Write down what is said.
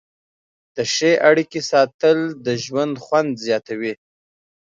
د ښې اړیکې ساتل د ژوند خوند زیاتوي.